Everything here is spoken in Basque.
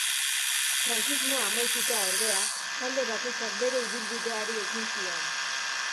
Frankismoa amaituta, ordea, talde bakoitzak bere ibilbideari ekin zion.